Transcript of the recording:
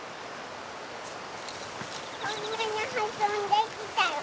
こんなに運んできたよ。